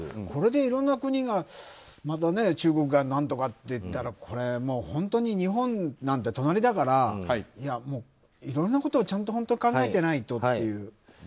これでいろんな国が中国が何とかってなったらこれ、本当に日本なんて隣だからいろんなことをちゃんと考えていないとという。